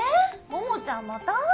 桃ちゃんまた？